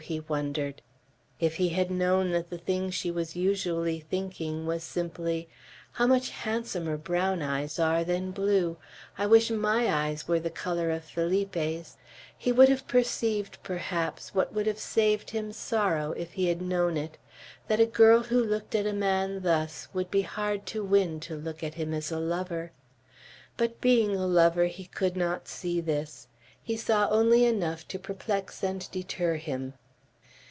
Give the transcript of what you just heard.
he wondered. If he had known that the thing she was usually thinking was simply, "How much handsomer brown eyes are than blue! I wish my eyes were the color of Felipe's!" he would have perceived, perhaps, what would have saved him sorrow, if he had known it, that a girl who looked at a man thus, would be hard to win to look at him as a lover. But being a lover, he could not see this. He saw only enough to perplex and deter him.